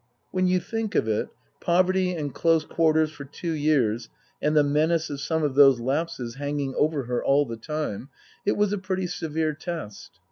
When you think of it, poverty and close quarters for two years, and the menace of some of those lapses hanging over her all the time it was a pretty severe test.